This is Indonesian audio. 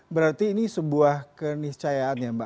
berarti ini sebuah keniscayaan ya mbak